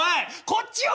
こっちを。